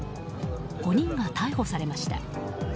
５人が逮捕されました。